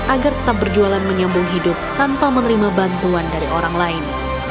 agar tetap berjualan menyambung hidup tanpa menerima bantuan dari orang lain